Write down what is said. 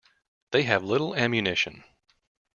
They have little ammunition.